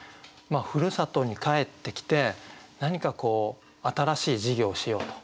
ふるさとに帰ってきて何か新しい事業をしようと。